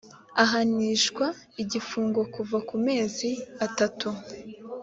ahanishwa igifungo kuva ku mezi atatu